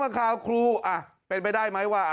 บางครั้งครูเป็นไปได้ไหมว่า